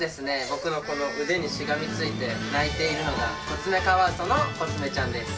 僕のこの腕にしがみついて鳴いているのがコツメカワウソのコツメちゃんです。